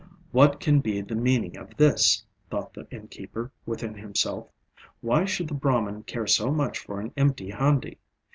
What can be the meaning of this? thought the innkeeper within himself. Why should the Brahman care so much for an empty handi?